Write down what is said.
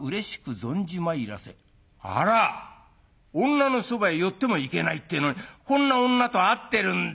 女のそばへ寄ってもいけないっていうのにこんな女と会ってるんだ。